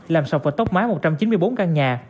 làm sọc vào tốc mái một trăm chín mươi bốn căn nhà